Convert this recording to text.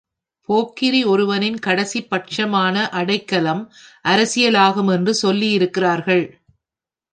போக்கிரி ஒருவனின் கடைசிப் பட்சமான அடைக்கலம் அரசியலாகும் என்று சொல்லியிருக்கிறார்கள்.